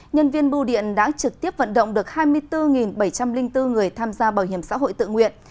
nhân viên bưu điện đã trực tiếp vận động được hai mươi bốn bảy trăm linh bốn người tham gia bảo hiểm xã hội tự nguyện